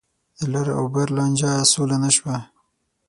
د لر او بر لانجه سوله نه شوه.